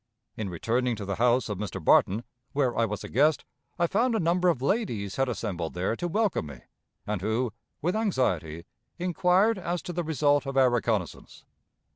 In returning to the house of Mr. Barton, where I was a guest, I found a number of ladies had assembled there to welcome me, and who, with anxiety, inquired as to the result of our reconnaissance.